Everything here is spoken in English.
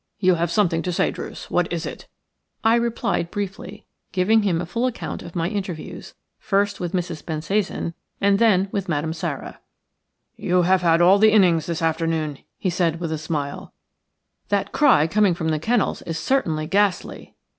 "You have something to say, Druce. What is it?" I replied briefly, giving him a full account of my interviews, first with Mrs. Bensasan and then with Madame Sara. "You have had all the innings this afternoon," he said with a smile. "That cry coming from the kennels is certainly ghastly."